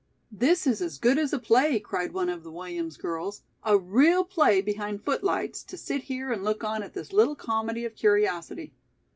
"This is as good as a play," cried one of the Williams girls, "a real play behind footlights, to sit here and look on at this little comedy of curiosity.